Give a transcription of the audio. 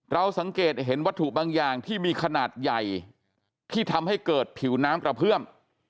เราสังเกตเห็นวัตถุบางอย่างที่มีขนาดใหญ่ที่ทำให้เกิดผิวน้ำกระเพื่อม